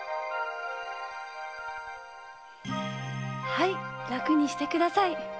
はいらくにしてください。